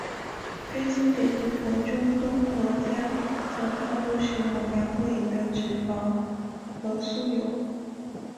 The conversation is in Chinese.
非洲北部和中东国家则大多使用羊尾的脂肪和酥油。